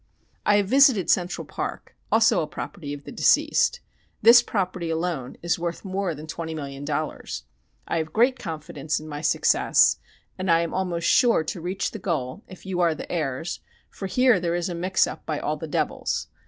I have visited Central Park, also a property of the deceased; this property alone is worth more than twenty million dollars.... I have great confidence in my success, and I am almost sure to reach the goal, if you are the heirs, for here there is a mix up by all the devils....